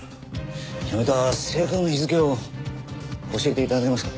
辞めた正確な日付を教えて頂けますか？